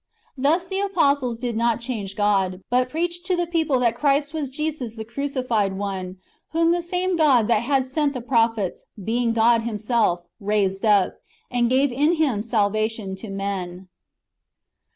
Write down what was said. ^ Thus the apostles did not change God, but preached to the people that Christ was Jesus the cruci fied One, whom the same God that had sent the prophets, being God Himself, raised up, and gave in Him salvation to men.